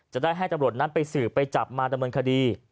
จะได้ให้ตำรวจนั้นไปสืบไปจับมาดำเนินคดี